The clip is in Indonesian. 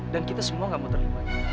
kita semua gak mau terlibat